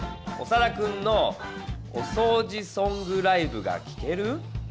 オサダくんの『おそうじソングライブ』が聴ける」？